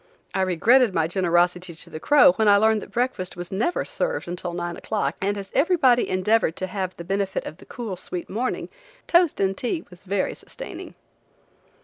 I regretted my generosity to the crow when I learned that breakfast was never served until nine o'clock, and as everybody endeavored to have the benefit of the cool, sweet morning, toast and tea was very sustaining.